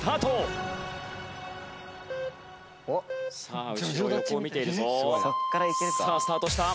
さあスタートした。